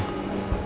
kamu mau kemana